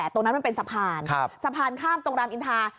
ตรงนั้นมันเป็นสะพานสะพานข้ามตรงรามอินทา